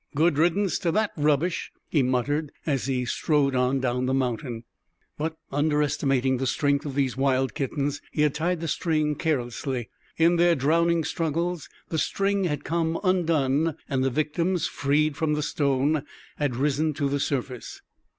"Good riddance to that rubbish!" he muttered, as he strode on down the mountain. But, underestimating the strength of these wild kittens, he had tied the string carelessly. In their drowning struggles, the string had come undone, and the victims, freed from the stone, had risen to the surface.